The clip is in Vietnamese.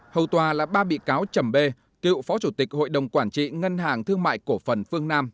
hầu tòa là ba bị cáo chầm bê cựu phó chủ tịch hội đồng quản trị ngân hàng thương mại cổ phần phương nam